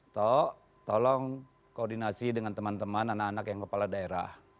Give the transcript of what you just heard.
toh tolong koordinasi dengan teman teman anak anak yang kepala daerah